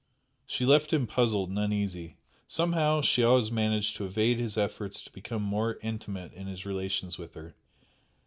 She left him puzzled and uneasy. Somehow she always managed to evade his efforts to become more intimate in his relations with her.